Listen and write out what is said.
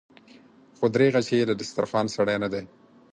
خو دريغه چې د دسترخوان سړی نه دی.